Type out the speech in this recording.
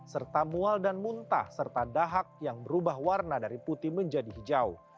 serta mual dan muntah serta dahak yang berubah warna dari putih menjadi hijau